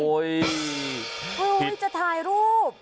โอ้โฮจะถ่ายรูป